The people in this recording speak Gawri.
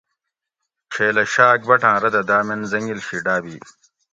چھیلہ شاۤک بٹآۤں ردہ دامین حٔنگیل شی ڈابی